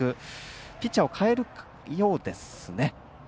ピッチャーを代えるようですね。